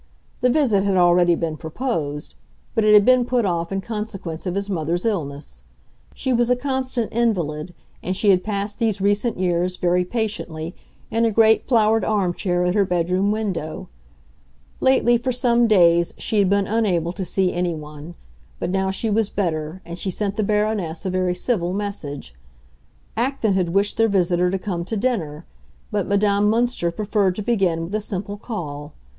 The visit had already been proposed, but it had been put off in consequence of his mother's illness. She was a constant invalid, and she had passed these recent years, very patiently, in a great flowered arm chair at her bedroom window. Lately, for some days, she had been unable to see anyone; but now she was better, and she sent the Baroness a very civil message. Acton had wished their visitor to come to dinner; but Madame Münster preferred to begin with a simple call.